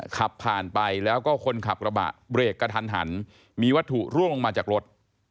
ขับผ่านไปแล้วก็คนขับกระบะเบรกกระทันหันมีวัตถุร่วงลงมาจากรถ